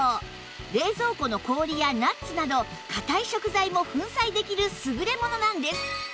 冷蔵庫の氷やナッツなど硬い食材も粉砕できる優れものなんです